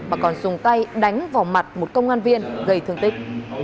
mà còn dùng tay đánh vào mặt một công an viên gây thương tích